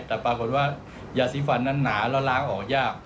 แต่ปรากฏว่ายาสีฟันนั้นหนาแล้วล้างออกยาก